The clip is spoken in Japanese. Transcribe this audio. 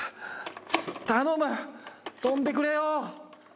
頼む飛んでくれよ。